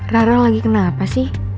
rara lagi kenapa sih